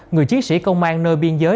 người chiến sĩ công an nơi biên giới